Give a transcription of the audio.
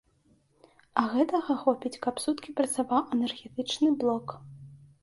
А гэтага хопіць, каб суткі працаваў энергетычны блок.